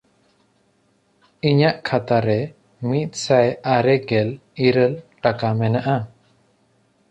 ᱤᱧᱟᱜ ᱠᱷᱟᱛᱟ ᱨᱮ ᱢᱤᱫᱥᱟᱭ ᱟᱨᱮ ᱜᱮᱞ ᱤᱨᱟᱹᱞ ᱴᱟᱠᱟ ᱢᱮᱱᱟᱜᱼᱟ᱾